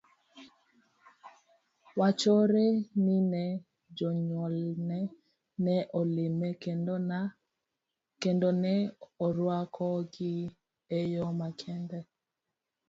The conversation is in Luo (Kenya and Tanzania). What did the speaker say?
Wachore ni ne jonyuolne ne olime, kendo ne oruako gi eyo makende.